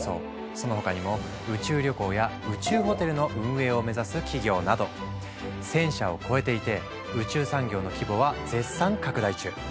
その他にも宇宙旅行や宇宙ホテルの運営を目指す企業など１，０００社を超えていて宇宙産業の規模は絶賛拡大中。